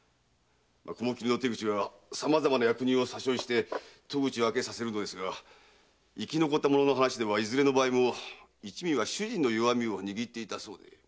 雲切の手口はさまざまな役人を詐称して戸口を開けさせますが生き残った者の話ではいずれの場合も一味は主人の弱みを握っていたそうで。